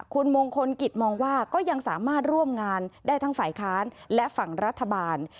คุณมงคลกิจมองว่าก็ยังสามารถร่วมงานได้ทั้งฝ่ายค้านและฝั่งรัฐบาล